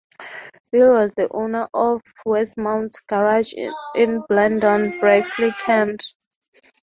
Bill was the owner of Westmount Garage in Blendon, Bexley, Kent.